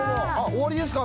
終わりですか？